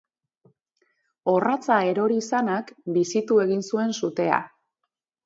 Orratza erori izanak bizitu egin zuen sutea.